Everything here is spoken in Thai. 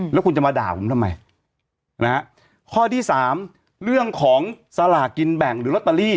แล้วคุณจะมาด่าผมทำไมนะฮะข้อที่สามเรื่องของสลากกินแบ่งหรือลอตเตอรี่